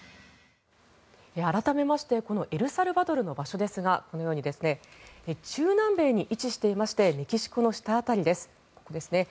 改めましてエルサルバドルの場所ですがこのように中南米に位置していましてメキシコの下辺りです。